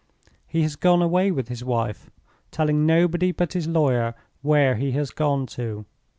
He has gone away with his wife, telling nobody but his lawyer where he has gone to.